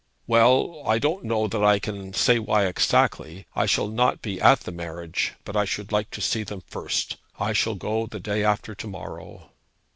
'Well, I don't know that I can say exactly why. I shall not be at the marriage, but I should like to see them first. I shall go the day after to morrow.'